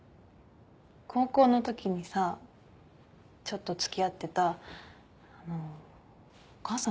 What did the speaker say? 高校のときにさちょっと付き合ってたあのお母さん覚えてるかな？